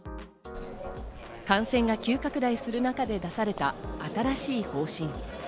感染が急拡大する中で出された新しい方針。